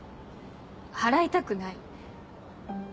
払いたくない？